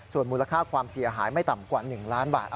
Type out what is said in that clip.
ส่วนมูลค่าความเสียหายไม่ต่ำกว่า๑ล้านบาท